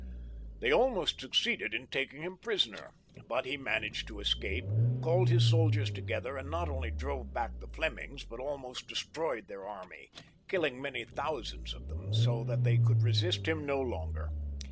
They almost succeeded in taking him prisoner, but he managed to escape, called his soldiers together, and not only drove back the Flemings, but almost destroyed their army, killing many thousands of them, so that they could resist him no longer.